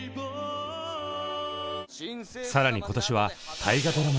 更に今年は大河ドラマにも。